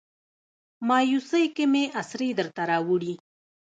مایوسۍ کې مې اسرې درته راوړي